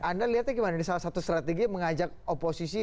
anda lihatnya bagaimana ini salah satu strategi mengajak oposisi